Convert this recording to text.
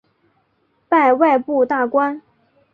拜外部大官。